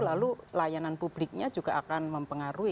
lalu layanan publiknya juga akan mempengaruhi